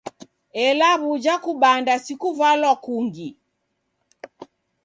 Ela sw'uja kubanda si kuvalwa kungi?